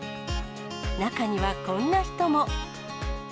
中にはこんな人も。